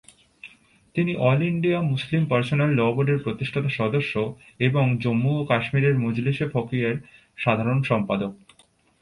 তিনি "all India Muslim personal law বোর্ড"-এর প্রতিষ্ঠাতা সদস্য এবং জম্মু ও কাশ্মীরের "মজলিসে ফিকহী"-এর সাধারণ সম্পাদক।